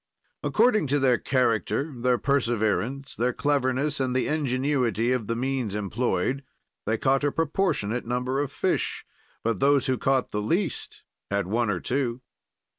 "According to their character, their perseverance, their cleverness, and the ingenuity of the means employed, they caught a proportionate number of fish; but those who caught the least had one or two.